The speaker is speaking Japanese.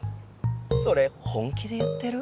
それ本気で言ってる？